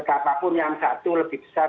siapapun yang satu lebih besar